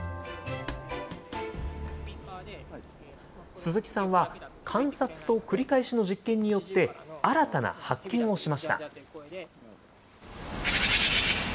鈴木さんは、観察と繰り返しの実験によって、新たな発見をしました。